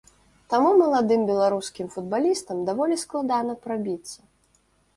Таму маладым беларускім футбалістам даволі складана прабіцца.